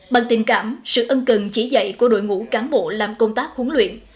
bằng tình cảm sự ân cần chỉ dạy của đội ngũ cán bộ làm công tác huấn luyện